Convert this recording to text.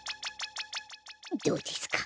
どうですか？